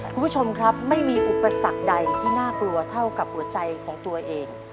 คุณผู้ชมครับไม่มีอุปสรรคใดที่น่ากลัวเท่ากับหัวใจของตัวเอง